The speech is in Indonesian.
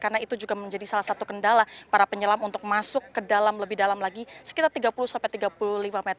karena itu juga menjadi salah satu kendala para penyelam untuk masuk ke dalam lebih dalam lagi sekitar tiga puluh sampai tiga puluh lima